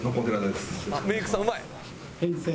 メイクさんうまい！